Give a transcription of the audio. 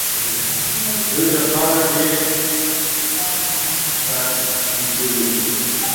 دوی د خاورو ډېري ته کيسې ليکي.